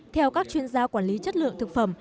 theo các chuyên gia quản lý chất lượng thực phẩm